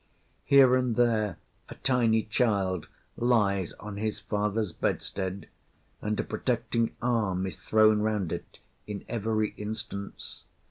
Here and there a tiny child lies on his father’s bedstead, and a protecting arm is thrown round it in every instance.